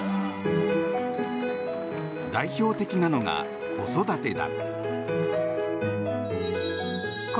代表的なのが子育てだ。